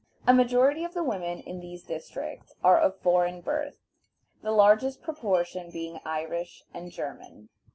A majority of the women in these districts are of foreign birth, the largest proportion being Irish and German.